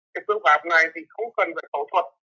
cái phương pháp này thì không cần phải phẫu thuật